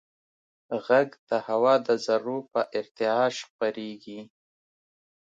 غږ د هوا د ذرّو په ارتعاش خپرېږي.